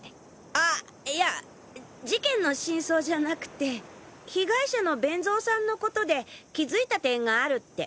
あいや事件の真相じゃなくて被害者の勉造さんのことで気付いた点があるって。